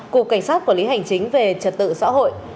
cục cảnh sát quản lý hành chính về trật tự xã hội